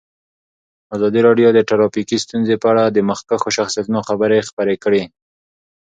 ازادي راډیو د ټرافیکي ستونزې په اړه د مخکښو شخصیتونو خبرې خپرې کړي.